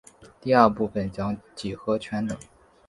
第二部份讲几何全等。